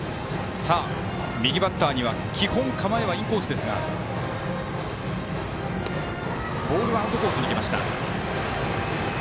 右バッターには基本、構えはインコースですがボールはアウトコースに来ました。